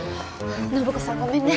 暢子さんごめんね。